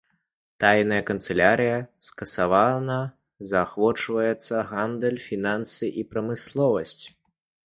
Тайная канцылярыя скасавана, заахвочваецца гандаль, фінансы і прамысловасць.